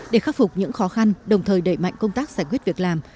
để khắc phục những khó khăn đồng thời đẩy mạnh công tác giải quyết việc làm